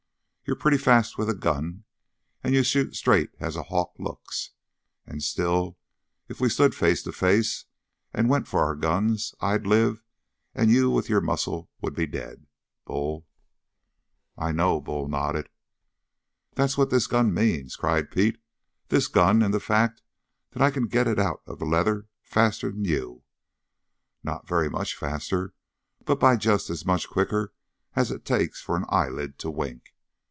You're pretty fast with a gun, and you shoot straight as a hawk looks. And still, if we stood face to face and went for our guns, I'd live; and you with your muscle would be dead, Bull." "I know," Bull nodded. "That's what this gun means," cried Pete. "This gun, and the fact that I can get it out of the leather faster'n you do. Not very much faster. But by just as much quicker as it takes for an eyelid to wink.